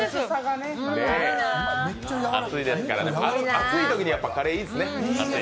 暑いときにカレーやっぱいいですね。